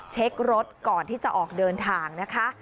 เช็ครถก่อนที่จะออกเดินทางนะคะ